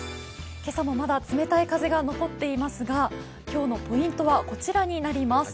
今朝もまだ冷たい風が残っていますが、今朝のポイントは、こちらになります。